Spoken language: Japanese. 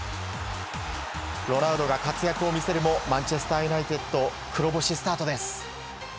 ロナウドが活躍を見せるもマンチェスター・ユナイテッド黒星スタートです。